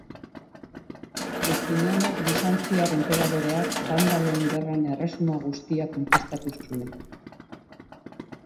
Justiniano bizantziar enperadoreak Bandaloen Gerran erresuma guztia konkistatu zuen.